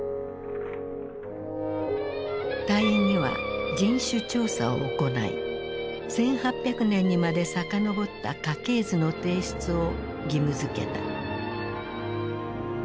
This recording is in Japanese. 隊員には人種調査を行い１８００年にまで遡った家系図の提出を義務づけた。